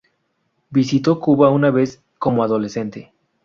Visitó Cuba una vez como adolescente.